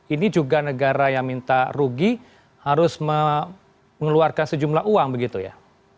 ini juga negara yang minta rugi harus mengeluarkan sejumlah uang begitu ya